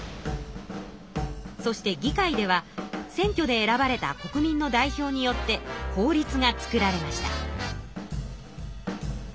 そして議会では選挙で選ばれた国民の代表によって法律が作られました。